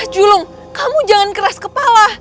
julung kamu jangan keras kepala